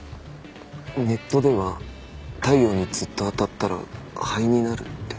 ネットでは太陽にずっと当たったら灰になるって。